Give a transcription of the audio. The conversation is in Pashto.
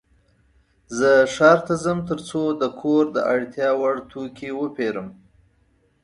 زه ښار ته ځم ترڅو د کور د اړتیا وړ توکې وپيرم.